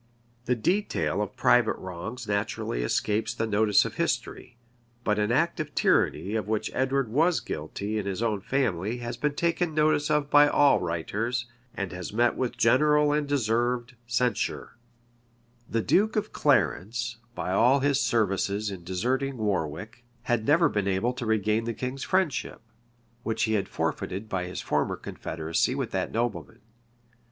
[] The detail of private wrongs naturally escapes the notice of history; but an act of tyranny of which Edward was guilty in his own family, has been taken notice of by all writers, and has met with general and deserved censure. * Hall, fol. 240. Hall, p. 241. Hist. Croyl. Cont. p, 559. The duke of Clarence, by all his services in deserting Warwick, had never been able to regain the king's friendship, which he had forfeited by his former confederacy with that nobleman.